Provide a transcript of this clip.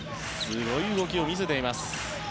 すごい動きを見せています。